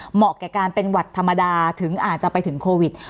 เหมาะแก่การเป็นหวัดธรรมดาถึงอาจจะไปถึงโควิด